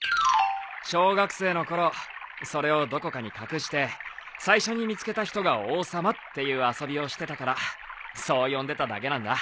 小学生の頃それをどこかに隠して最初に見つけた人が王様っていう遊びをしてたからそう呼んでただけなんだ。